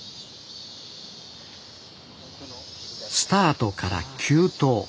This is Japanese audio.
スタートから急登。